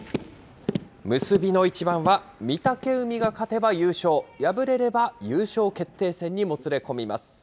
結びの一番は、御嶽海が勝てば優勝、敗れれば優勝決定戦にもつれ込みます。